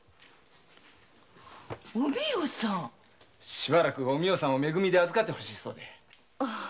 ⁉しばらくお美代さんを「め組」で預かってほしいそうで。